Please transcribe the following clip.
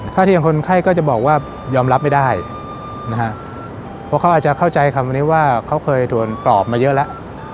ถ้าเทียมคนไข้ก็จะบอกว่ายอมรับไม่ได้นะฮะเพราะเขาอาจจะเข้าใจคำนี้ว่าเขาเคยโดนปลอบมาเยอะแล้ว